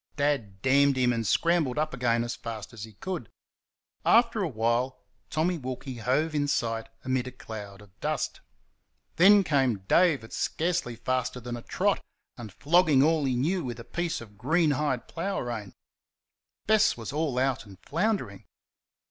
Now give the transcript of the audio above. Dad damned him and scrambled up again as fast as he could. After a while Tommy Wilkie hove in sight amid a cloud of dust. Then came Dave at scarcely faster than a trot, and flogging all he knew with a piece of greenhide plough rein. Bess was all out and floundering.